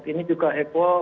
ini juga heboh